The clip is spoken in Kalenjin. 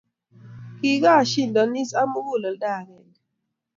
Kikashindosi ak muguleldo agenge